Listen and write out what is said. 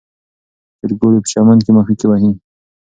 چرګوړي په چمن کې مښوکې وهي.